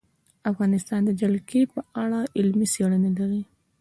افغانستان د جلګه په اړه علمي څېړنې لري.